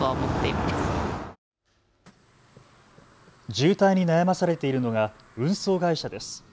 渋滞に悩まされているのが運送会社です。